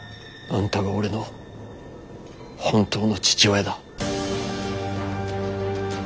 あんたが俺の本当の父親だ。